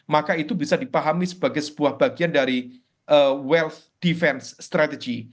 maka itu bisa dipahami sebagai sebuah bagian dari well defense strategy